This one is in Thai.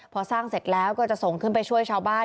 พอสร้างเสร็จแล้วก็จะส่งขึ้นไปช่วยชาวบ้าน